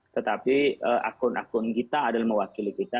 tetapi akun akun kita adalah mewakili kita